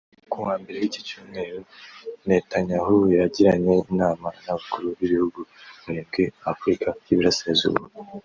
Kuwa Mbere w’iki cyumweru Netanyahu yagiranye inama n’abakuru b’ibihugu barindwi ba Afurika y’Uburasirazuba